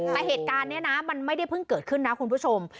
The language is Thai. แต่เหตุการณ์นี้นะมันไม่ได้เพิ่งเกิดขึ้นนะคุณผู้ชม